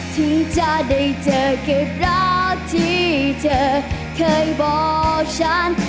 ถึงจะได้เจอเก็บรักที่เธอเคยบอกฉัน